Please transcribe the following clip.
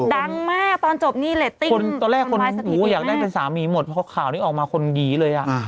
ดังมากตอนจบนี้และติ้งตอนแรกผู้อยากได้เป็นสามีหมดข่าวนี้ออกมาคนหยีเลยห้ะ